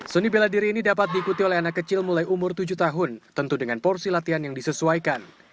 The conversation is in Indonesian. seni bela diri ini dapat diikuti oleh anak kecil mulai umur tujuh tahun tentu dengan porsi latihan yang disesuaikan